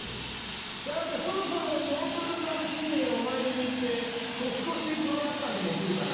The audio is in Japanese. さてそろそろノートルダム寺院へお参りに行って年越しクロワッサンでも食うかな。